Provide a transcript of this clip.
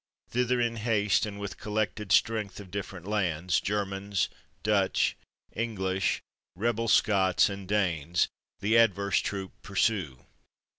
Thither, in haste, and with collected strength of different lands, Germans, Dutch, English, rebel Scots, and Danes, The adverse troop pursue.